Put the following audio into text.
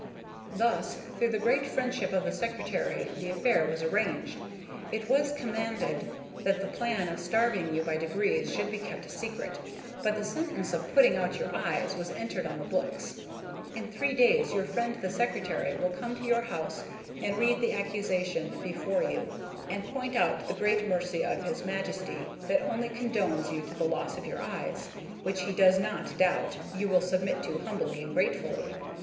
"Thus, through the great friendship of the secretary the affair was arranged. It was commanded that the plan of starving you by degrees should be kept a secret; but the sentence of putting out your eyes was entered on the books. In three days your friend the secretary will come to your house and read the accusation before you, and point out the great mercy of his Majesty, that only condemns you to the loss of your eyes which, he does not doubt, you will submit to humbly and gratefully.